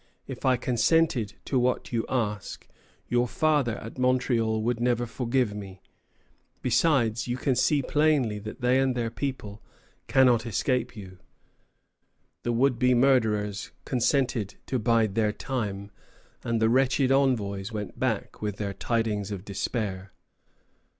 If I consented to what you ask, your father at Montreal would never forgive me. Besides, you can see plainly that they and their people cannot escape you." The would be murderers consented to bide their time, and the wretched envoys went back with their tidings of despair.